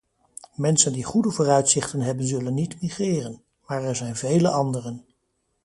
Mensen die goede vooruitzichten hebben zullen niet migreren, maar er zijn vele anderen.